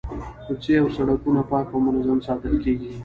کوڅې او سړکونه پاک او منظم ساتل کیږي.